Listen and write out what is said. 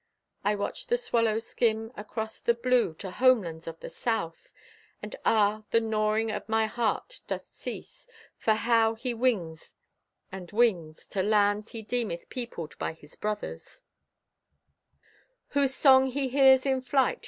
I watch the swallow skim across the blue To homelands of the South, And ah, the gnawing at my heart doth cease; For how he wings and wings To lands he deemeth peopled by his brothers, Whose song he hears in flight!